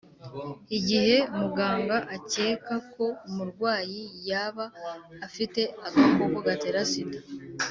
igihe muganga akeka ko umurwayi yaba afite agakoko gatera sida,